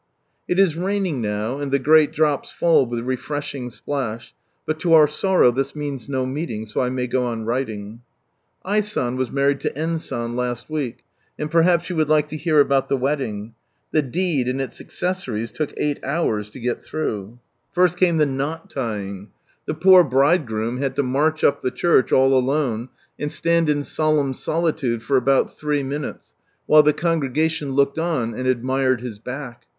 It is raining now, and the great drops fall with refreshing splash, but to our sorrow this means no meeting, so I may go on writing. I. San was married to N. San last week, and perhaps you would like to hear about the wedding. The deed and its accessories took eight hours to get through. From Sunrise Land First came the knct tying. The poor bridegroom had to march up the church all alone, and stand in solemn solitude for about three minutes, while the congregation looked on, and admired his back.